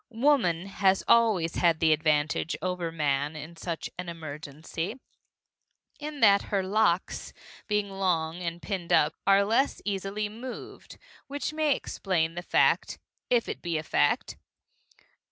Woman has always had the advantage over man in such emergency, in that her locks, being long and pinned up, are less easily moved which may explain the fact (if it be a fact!)